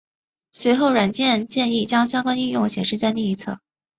随后软件建议将相关应用显示在另一侧。